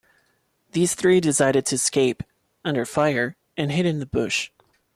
These three decided to escape, under fire, and hid in the bush.